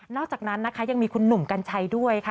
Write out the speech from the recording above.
อกจากนั้นนะคะยังมีคุณหนุ่มกัญชัยด้วยค่ะ